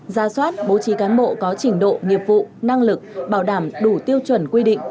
ra soát bố trí cán bộ có trình độ nghiệp vụ năng lực bảo đảm đủ tiêu chuẩn quy định